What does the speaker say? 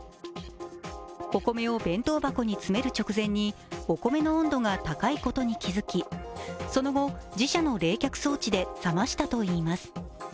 お米を弁当箱に詰める直前にお米の温度が高いことに気付き、その後、自社の冷却装置で冷ましたといいます。